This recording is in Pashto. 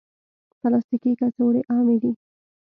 پلاستيکي کڅوړې عامې دي.